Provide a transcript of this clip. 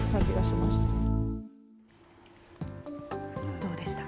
どうでした？